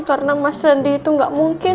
karena mas rendy itu gak mungkin